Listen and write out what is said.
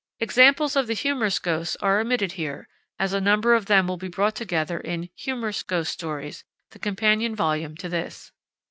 Examples of the humorous ghosts are omitted here, as a number of them will be brought together in Humorous Ghost Stories, the companion volume to this.